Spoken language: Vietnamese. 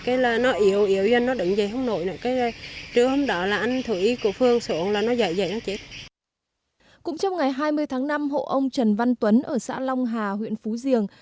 cũng trong ngày hai mươi tháng năm hộ ông trần văn tuấn ở xã long hà huyện phú diềng